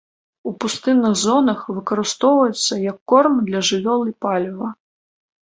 У пустынных зонах выкарыстоўваецца як корм для жывёл і паліва.